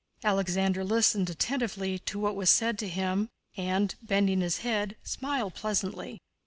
Alexander listened attentively to what was said to him and, bending his head, smiled pleasantly.